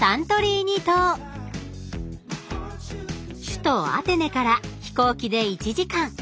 首都アテネから飛行機で１時間。